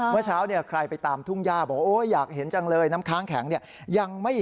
เมื่อเช้าใครไปตามทุ่งยาบอกอยากเห็นจังเลย